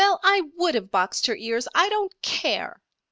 I would have boxed her ears, I don't care!"